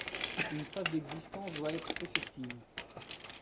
Une preuve d'existence doit être effective.